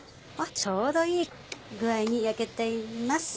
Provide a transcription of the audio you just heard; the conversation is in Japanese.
ちょうどいい具合に焼けています。